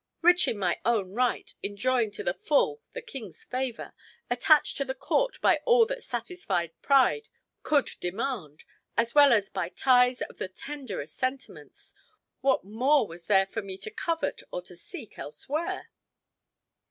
Rich in my own right; enjoying to the full the king's favor; attached to the court by all that satisfied pride could demand, as well as by ties of the tenderest sentiments. What more was there for me to covet or to seek elsewhere?"